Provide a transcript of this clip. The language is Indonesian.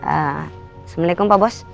assalamualaikum pak bos